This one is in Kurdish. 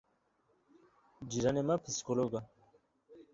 Cîranê me psîkolog e.